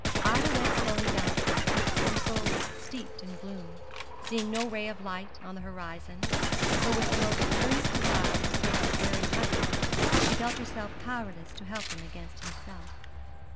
Ida went slowly downstairs, her soul steeped in gloom, seeing no ray of light on the horizon; for with the most earnest desire to save her erring husband, she felt herself powerless to help him against himself.